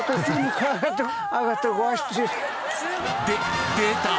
で出た！